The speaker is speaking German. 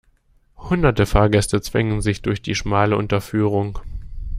Hunderte Fahrgäste zwängen sich durch die schmale Unterführung.